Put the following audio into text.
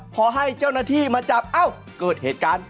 พอให้เจ้าหน้าที่มาจับเอ้าเกิดเหตุการณ์